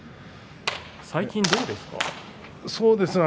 最近どうですか？